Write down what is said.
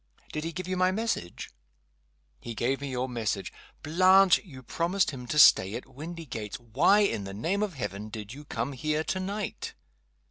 "Did he give you my message?" "He gave me your message. Blanche! you promised him to stay at Windygates. Why, in the name of heaven, did you come here to night?"